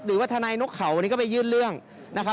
หรือว่าทนายนกเขาวันนี้ก็ไปยื่นเรื่องนะครับ